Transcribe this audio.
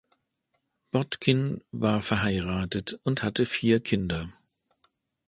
Botkin war verheiratet und hatte vier Kinder.